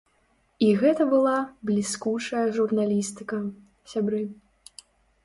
І гэта была бліскучая журналістыка, сябры.